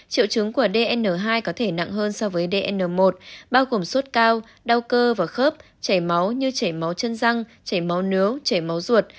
triệu chứng của dn hai có thể nặng hơn so với dn một bao gồm sốt cao đau cơ và khớp chảy máu như chảy máu chân răng chảy máu nướng chảy máu ruột